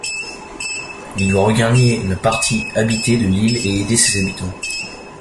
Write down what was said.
Il doit regagner la partie habitée de l'île et aider ses habitants.